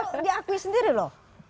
dan itu diakui sendiri loh